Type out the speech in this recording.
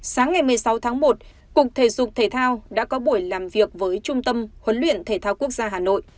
sáng ngày một mươi sáu tháng một cục thể dục thể thao đã có buổi làm việc với trung tâm huấn luyện thể thao quốc gia hà nội